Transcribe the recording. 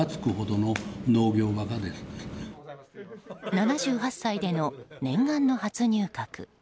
７８歳での念願の初入閣。